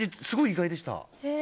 すごい意外でした。